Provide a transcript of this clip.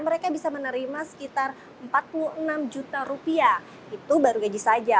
sehingga bisa menerima sekitar rp empat puluh enam itu baru gaji saja